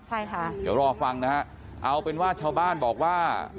เดี๋ยวรอฟังนะครับเอาเป็นวาดชาวบ้านบอกว่า